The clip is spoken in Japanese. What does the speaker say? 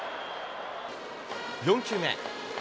４球目。